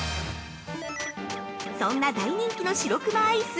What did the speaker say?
そんな大人気の白くまアイス。